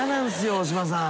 大島さん。